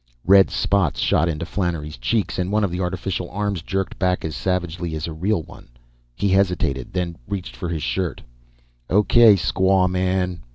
Red spots shot onto Flannery's cheeks and one of the artificial arms jerked back as savagely as a real one. He hesitated, then reached for his shirt. "O.K., squawman!"